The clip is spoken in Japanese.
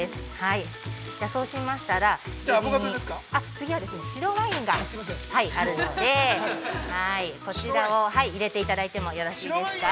◆次は白ワインがあるので、そちらを入れていただいてもよろしいですか。